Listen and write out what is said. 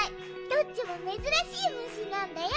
どっちもめずらしいむしなんだよ。